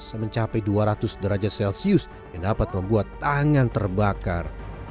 semencapai dua ratus derajat celcius yang dapat membuat tangan terbakar